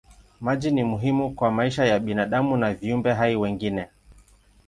Maji ni muhimu kwa maisha ya binadamu na viumbe hai wengine.